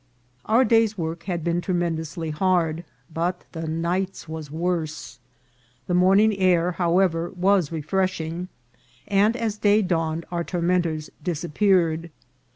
Our day's work had been tremendously hard, but the night's was worse. The morning air, however, was refreshing, and as day dawn ed our tormentors disappeared.